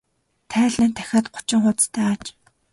Тайлан нь дахиад гучин хуудастай аж.